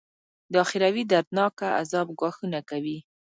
د اخروي دردناکه عذاب ګواښونه کوي.